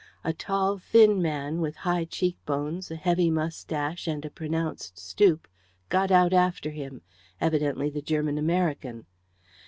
A tall, thin man, with high cheekbones, a heavy moustache, and a pronounced stoop, got out after him evidently the German American.